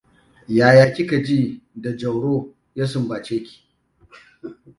Yaya kika ji da Jauro ya sunbace ki?